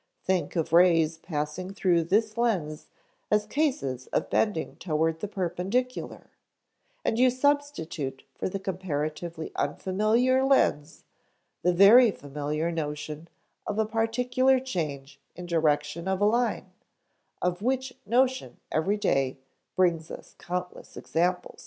Think of rays passing through this lens as cases of bending toward the perpendicular, and you substitute for the comparatively unfamiliar lens the very familiar notion of a particular change in direction of a line, of which notion every day brings us countless examples."